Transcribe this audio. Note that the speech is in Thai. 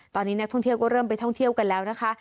ตอนนี้นักท่องเที่ยวก็เริ่มไปท่องเที่ยวกันแล้วนะคะ